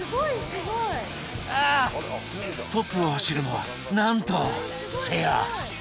ああトップを走るのはなんと瀬谷！